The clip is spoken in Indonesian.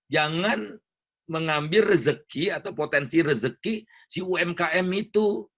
jangan mengambil rezeki atau potensi rezeki si umkm itu